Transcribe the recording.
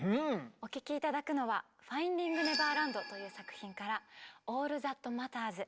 お聴き頂くのは「ファインディング・ネバーランド」という作品から「オール・ザット・マターズ」。